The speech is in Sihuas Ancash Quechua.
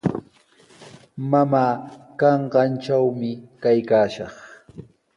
Mamaa kanqantrawmi kaykaashaq.